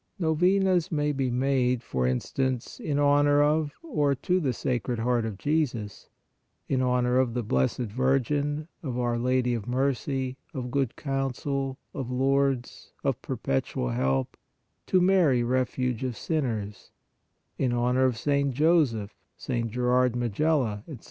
Novenas may be made, for in stance, in honor of or to the Sacred Heart of Jesus, in honor of the Blessed Virgin, of Our Lady of Mercy, of Good Counsel, of Lourdes, of Perpetual Help, to Mary Refuge of sinners, in honor of St. Joseph, St. Gerard Majella, etc.